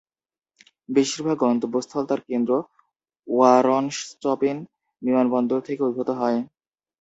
বেশিরভাগ গন্তব্যস্থল তার কেন্দ্র, ওয়ারশ চপিন বিমানবন্দর থেকে উদ্ভূত হয়।